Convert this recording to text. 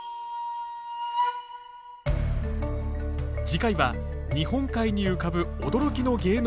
次回は日本海に浮かぶ驚きの芸能